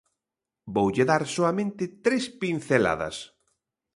Voulle dar soamente tres pinceladas.